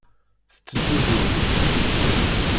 Tetteddu deg ubrid.